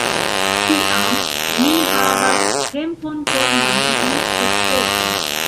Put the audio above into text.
Tiam ni havas tempon por manĝi peceton.